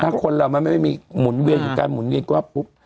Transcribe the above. ถ้าคนเรามันไม่มีเห็ดการหมุนเวียนก็ปุ๊บ